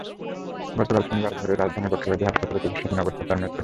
গতকাল শনিবার ভোরে রাজধানীর বক্ষব্যাধি হাসপাতালে চিকিৎসাধীন অবস্থায় তাঁর মৃত্যু হয়।